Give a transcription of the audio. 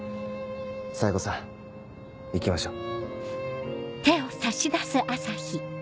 冴子さん行きましょう。